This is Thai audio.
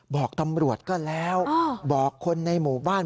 บอกตำรวจก็แล้วบอกคนในหมู่บ้าน